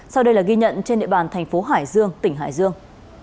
sau đây là ghi nhận trên địa bàn tp hải dương tỉnh hải dương